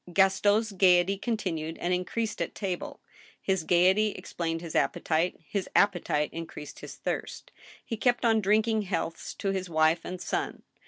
Gaston's gayety continued and increased at table. His gayety explained his appetite ; his appetite increased his thirst. He kept on drinking healths to his wife and son.